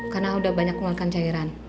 karena udah banyak mengeluarkan cairan